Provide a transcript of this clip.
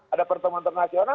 ada pertemuan internasional